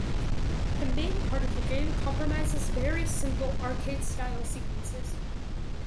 The main part of the game comprises very simple arcade-style sequences.